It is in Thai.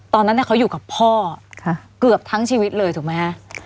ตอนนั้นเขาอยู่กับพ่อเกือบทั้งชีวิตเลยถูกไหมฮะ